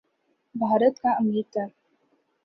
بھارت کا امیر تر